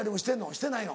してないの？